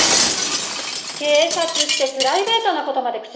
警察ってプライベートな事まで口出しするの？